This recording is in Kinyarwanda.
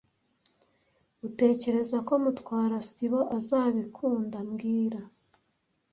Utekereza ko Mutwara sibo azabikunda mbwira